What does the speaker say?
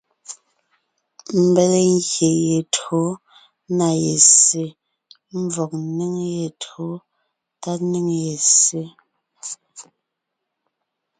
Ḿbéle ngyè ye tÿǒ na ye ssé (ḿvɔg ńnéŋ ye tÿǒ tá ńnéŋ ye ssé).